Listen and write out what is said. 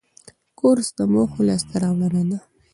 کورس د موخو لاسته راوړنه ده.